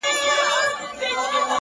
وزير که منډ که، خپله کونه به بربنډ که.